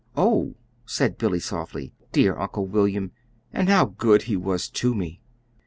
"Oh!" said Billy, softly. "Dear Uncle William and how good he was to me!"